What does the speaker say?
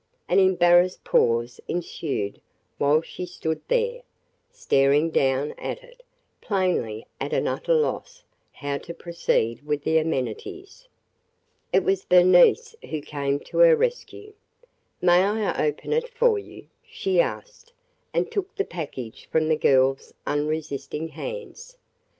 An embarrassed pause ensued while she stood there, staring down at it, plainly at an utter loss how to proceed with the amenities. It was Bernice who came to her rescue. "May I open it for you?" she asked, and took the package from the girl's unresisting hands.